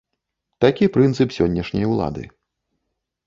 Такі прынцып сённяшняй улады.